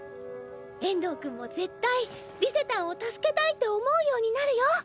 遠藤くんも絶対リゼたんを助けたいって思うようになるよ。